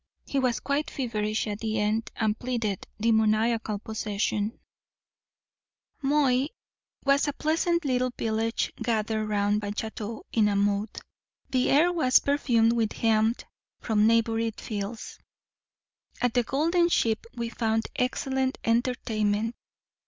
He was quite feverish at the end, and pleaded demoniacal possession. Moy (pronounce Moÿ) was a pleasant little village, gathered round a château in a moat. The air was perfumed with hemp from neighbouring fields. At the Golden Sheep we found excellent entertainment.